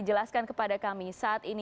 jelaskan kepada kami saat ini